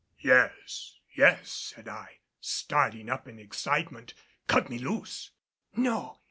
"Yes, yes," said I, starting up in excitement, "cut me loose!" "No!